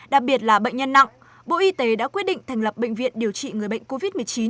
đặc biệt là bệnh nhân nặng bộ y tế đã quyết định thành lập bệnh viện điều trị người bệnh covid một mươi chín